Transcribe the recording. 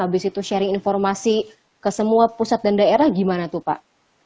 habis itu sharing informasi ke semua pusat dan daerah gimana tuh pak